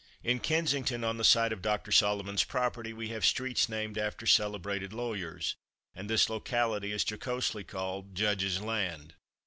In Kensington, on the site of Dr. Solomon's property, we have streets named after celebrated lawyers, and this locality is jocosely called "Judge's Land."